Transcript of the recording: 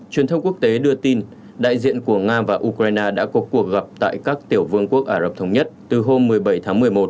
truyền thông quốc tế đưa tin đại diện của nga và ukraine đã có cuộc gặp tại các tiểu vương quốc ả rập thống nhất từ hôm một mươi bảy tháng một mươi một